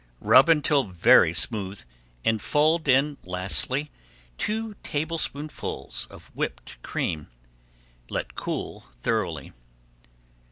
Rub until very smooth and fold in lastly two tablespoonfuls of whipped cream. Let cool thoroughly.